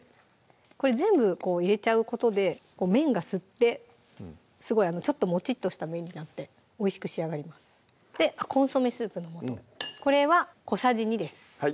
これ全部入れちゃうことで麺が吸ってすごいちょっともちっとした麺になっておいしく仕上がりますでコンソメスープの素これは小さじ２ですはい